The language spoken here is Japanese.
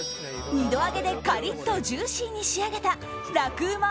２度揚げでカリッとジューシーに仕上げた楽ウマ！